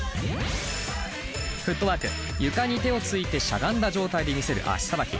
床に手をついてしゃがんだ状態で見せる足さばき。